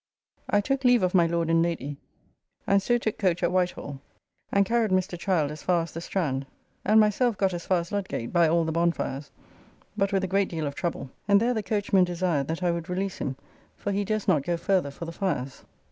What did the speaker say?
I took leave of my Lord and Lady, and so took coach at White Hall and carried Mr. Childe as far as the Strand, and myself got as far as Ludgate by all the bonfires, but with a great deal of trouble; and there the coachman desired that I would release him, for he durst not go further for the fires.